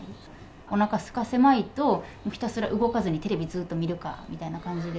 おなかすかせまいと、ひたすら動かずにテレビずっと見るかみたいな感じで。